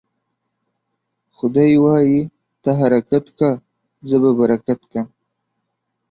خداى وايي: ته حرکت که ، زه به برکت کم.